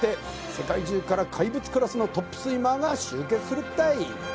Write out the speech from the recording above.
世界中から怪物クラスのトップスイマーが集結するったい